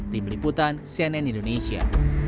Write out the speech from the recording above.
tim liputan cnn indonesia